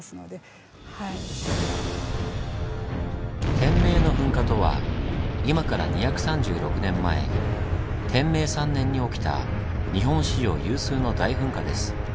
「天明の噴火」とは今から２３６年前天明３年に起きた日本史上有数の大噴火です。